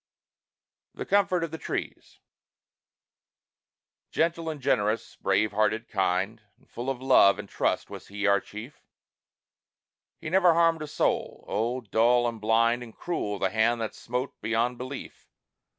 THE COMFORT OF THE TREES Gentle and generous, brave hearted, kind, And full of love and trust was he, our chief; He never harmed a soul! Oh, dull and blind And cruel, the hand that smote, beyond belief!